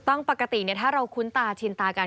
ต้องปกติเนี่ยถ้าเราคุ้นตาชินตากัน